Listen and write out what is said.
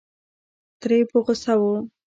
تره یې په غوسه و.